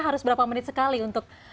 harus berapa menit sekali untuk